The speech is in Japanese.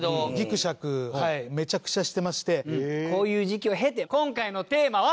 こういう時期を経て今回のテーマは。